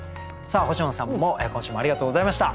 星野さんも今週もありがとうございました。